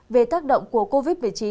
về tác động của covid một mươi chín